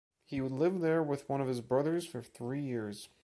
He would live there with one of his brothers for three years.